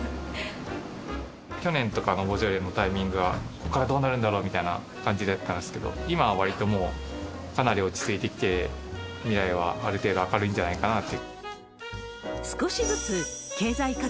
去年とかのボジョレのタイミングは、ここからどうなるんだろうみたいな感じだったんですけど、今はわりともうかなり落ち着いてきて、未来はある程度明るいんじゃないかなと。